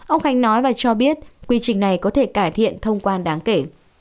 ông khánh nói và cho biết quy trình này có thể cải thiện thông quan đáng kể